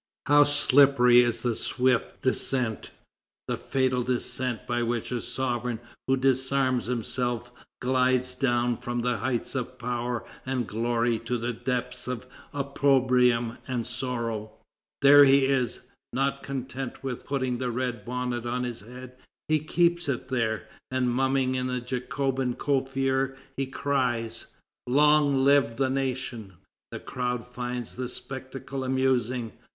How slippery is the swift descent, the fatal descent by which a sovereign who disarms himself glides down from the heights of power and glory to the depths of opprobrium and sorrow! There he is! Not content with putting the red bonnet on his head, he keeps it there, and mumming in the Jacobin coiffure, he cries: "Long live the nation!" The crowd find the spectacle amusing.